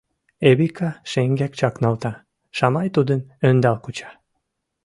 Эвика шеҥгек чакналта, Шамай тудым ӧндал куча.